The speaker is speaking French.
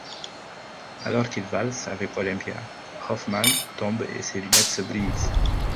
Alors qu'il valse avec Olympia, Hoffmann tombe et ses lunettes se brisent.